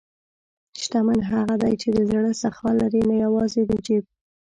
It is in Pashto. شتمن هغه دی چې د زړه سخا لري، نه یوازې د جیب.